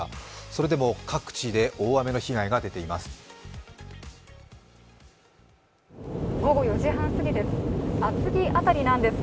それでも各地で大雨の被害が出ています。